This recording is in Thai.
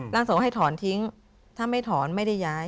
ส่งให้ถอนทิ้งถ้าไม่ถอนไม่ได้ย้าย